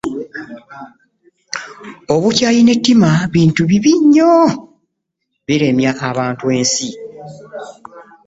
Obukyayi n'ettima bintu bibi nnyo biremya abantu ensi.